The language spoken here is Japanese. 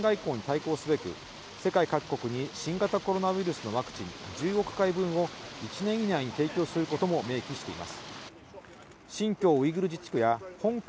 これに加え、中国によるワクチン外交に対抗すべく世界各国に新型コロナウイルスのワクチン１０億回分を１年以内に提供することも明記しています。